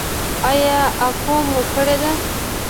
ایا اکو مو کړې ده؟